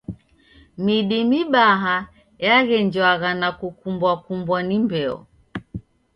Midi mibaha yaghenjwagha na kukumbwa-kumbwa ni mbeo.